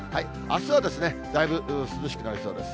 あすはだいぶ涼しくなりそうです。